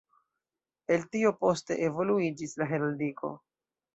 El tio poste evoluiĝis la heraldiko.